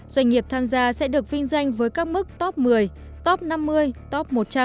doanh nghiệp tham gia sẽ được vinh danh với các mức top một mươi top năm mươi top một trăm linh